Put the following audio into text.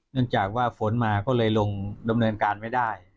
เนื่องจากว่าฝนมาก็เลยลงดำเนินการไม่ได้